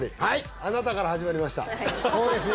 あなたから始まりましたそうですね